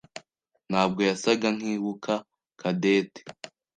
ntabwo yasaga nkibuka Cadette.